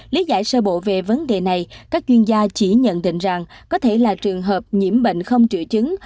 lý giải sơ bộ về vấn đề này các chuyên gia chỉ nhận định rằng có thể là trường hợp nhiễm bệnh không triệu chứng